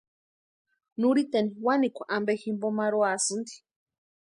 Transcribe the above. Nurhiteni wanikwa ampe jimpo marhuasïnti.